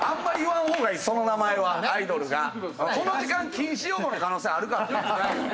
この時間禁止用語の可能性あるからね。